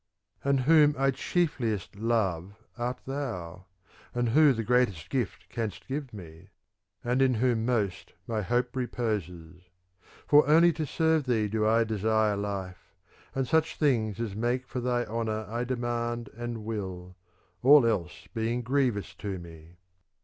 IV And whom I chiefliest love art thou, and who the greatest gift canst give me, and in whom most my hope reposes ; For only to serve thee do I desire life ; and such things as make for thy honour I demand and will : ail else being grievous to me.